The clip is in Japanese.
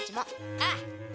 ああ！